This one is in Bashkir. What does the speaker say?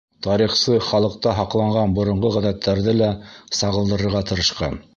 Тарихсы халыҡта һаҡланған боронғо ғәҙәттәрҙе лә сағылдырырға тырышҡан.